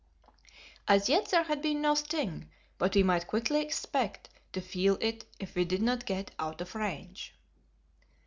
As yet there had been no sting, but we might quickly expect to feel it if we did not get out of range.